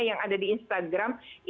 yang ada di instagram